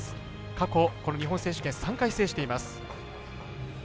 過去、日本選手権３回、制しています。